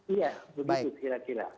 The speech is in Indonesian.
iya begitu kira kira